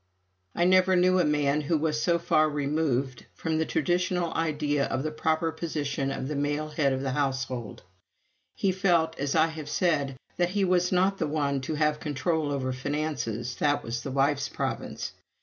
I never knew a man who was so far removed from the traditional ideas of the proper position of the male head of a household. He felt, as I have said, that he was not the one to have control over finances that was the wife's province.